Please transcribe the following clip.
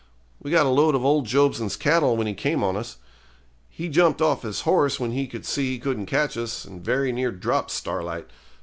We got a lot of old Jobson's cattle when he came on us. He jump off his horse when he see he couldn't catch us, and very near drop Starlight.